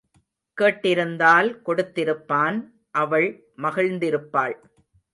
கேட்டிருந்தால் கொடுத்திருப்பான் அவள் மகிழ்ந்திருப்பாள்.